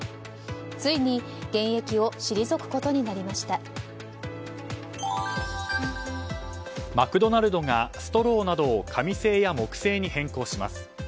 ついにマクドナルドがストローなどを紙製や木製に変更します。